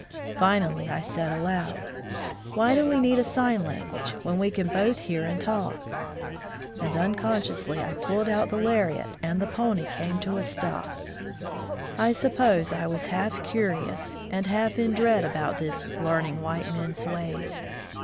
Finally I said aloud: "Why do we need a sign language, when we can both hear and talk?" And uncon sciously I pulled on the lariat and the pony came to a stop. I suppose I was half curious 17 From the Deep Woods to Civilization and half in dread about this ^Ueaming white men's ways."